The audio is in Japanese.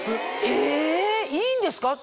えいいんですか？